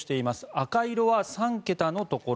赤色は３桁のところ。